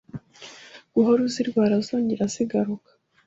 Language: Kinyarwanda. guhora uzirwara zongera zigaruka